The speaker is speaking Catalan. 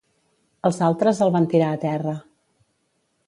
Els altres el van tirar a terra.